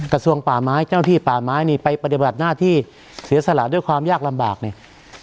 กระทรวงป่าไม้เจ้าที่ป่าไม้นี่ไปปฏิบัติหน้าที่เสียสละด้วยความยากลำบากเนี่ย